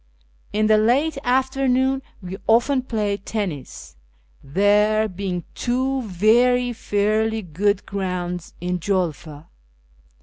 In the late afternoon we often played tennis, there being two very fairly good grounds in Julfa.